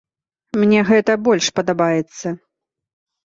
Мне гэта больш падабаецца.